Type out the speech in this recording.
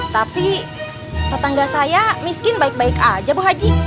tapi tetangga saya miskin baik baik aja bu haji